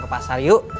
ke pasar yuk